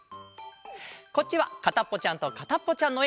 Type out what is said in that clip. こっちは「かたっぽちゃんとかたっぽちゃん」のえ！